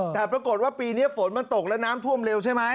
แต่ปรากฏว่าปีนี้ฝนมันตกแล้วน้ำท่วมเร็วใช่ไหม